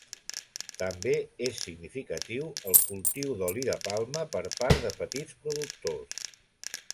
També és significatiu el cultiu d'oli de palma per part de petits productors.